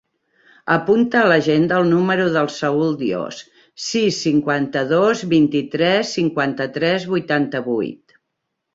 Apunta a l'agenda el número del Saül Dios: sis, cinquanta-dos, vint-i-tres, cinquanta-tres, vuitanta-vuit.